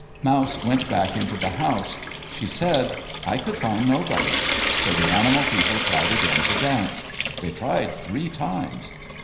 Mouse went back into the house. She said, " I could find nobody." So the animal people tried again to dance. They tried three times.